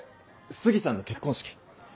杉さんの結婚式！